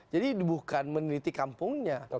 jadi bukan meneliti kampungnya